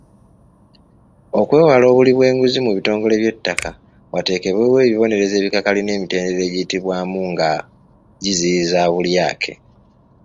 Okwewala obuli bw’enguzi mu bitongole by’ettaka, wateekebwewo ebibonerezo ebikakali n’emitendera egiyitibwamu nga giziyiza obulyake.